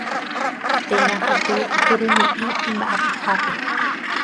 Térã katu oturuñe'ẽ imba'apohápe.